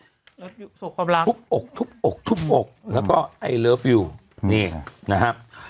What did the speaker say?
แล้วความรักทุบอกทุบอกทุบอกแล้วก็ไอเลิฟวิวนี่นะครับ